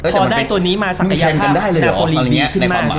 พอได้ตัวนี้มาศักยภาพนาโปรลีดีขึ้นมามันแทนกันได้เลยหรอ